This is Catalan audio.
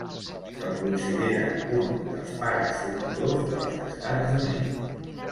Se'l considera un dels pares fundadors dels Estats Units.